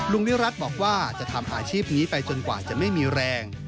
นิรัติบอกว่าจะทำอาชีพนี้ไปจนกว่าจะไม่มีแรง